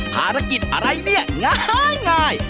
ภารกิจอะไรเนี่ยง่าย